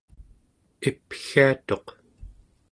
ipgiatuq